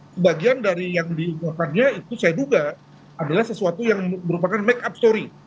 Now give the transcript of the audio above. sebagian dari yang diunggahkannya itu saya duga adalah sesuatu yang merupakan make up story